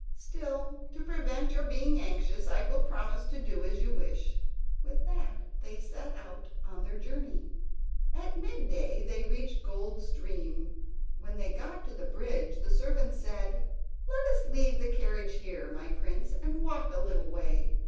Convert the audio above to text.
Still, to prevent your being anxious I will promise to do as you wish." With that they set out on their journey. At midday they reached the Gold Stream. When they got to the bridge the servant said: "Let us leave the carriage here, my prince, and walk a little way.